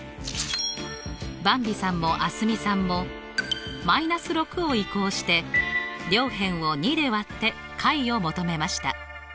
ばんびさんも蒼澄さんも−６を移項して両辺を２で割って解を求めました。